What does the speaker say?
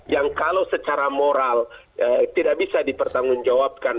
yang kalau secara moral tidak bisa dipertanggung jawabkan